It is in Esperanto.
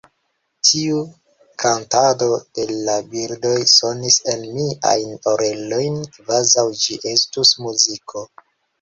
Tiu kantado de la birdoj sonis en miajn orelojn, kvazaŭ ĝi estus muziko.